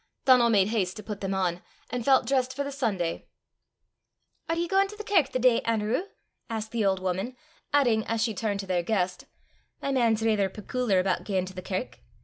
Donal made haste to put them on, and felt dressed for the Sunday. "Are ye gaein' to the kirk the day, Anerew?" asked the old woman, adding, as she turned to their guest, "My man's raither pecooliar aboot gaein' to the kirk!